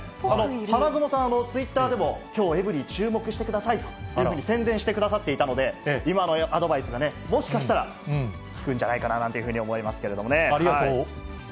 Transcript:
花雲さん、ツイッターでも、きょうエブリィ注目してくださいというふうに宣伝してくださっていたので、今のアドバイスがもしかしたら効くんじゃないかなというふうに思ありがとう。